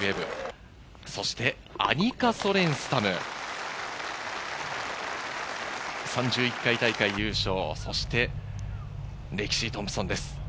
カリー・ウェブ、そしてアニカ・ソレンスタム、３１回大会優勝、そしてレキシー・トンプソンです。